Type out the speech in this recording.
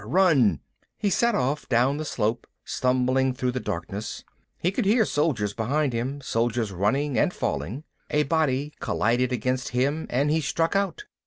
Run!" He set off, down the slope, stumbling through the darkness. He could hear soldiers behind him, soldiers running and falling. A body collided against him and he struck out.